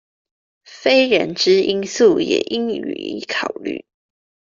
非人之因素也應予以考慮